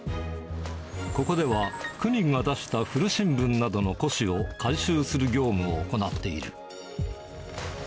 ここでは、区民が出した古新聞などの古紙を回収する業務を行っている。